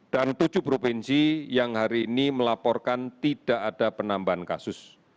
dan tujuh provinsi yang hari ini melaporkan tidak ada penambahan kasus